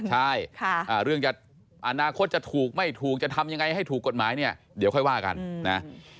ใช่เรื่องจะอนาคตจะถูกไม่ถูกจะทำยังไงให้ถูกกฎหมายเนี่ยเดี๋ยวค่อยว่ากันนะ